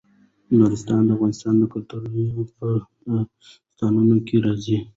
نورستان د افغان کلتور په داستانونو کې راځي.